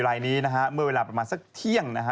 ลายนี้นะฮะเมื่อเวลาประมาณสักเที่ยงนะฮะ